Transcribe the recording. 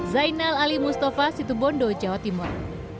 zainal ali mustafa situ bondo jawa timur